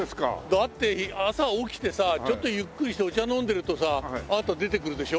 だって朝起きてさちょっとゆっくりしてお茶飲んでるとさあなた出てくるでしょ？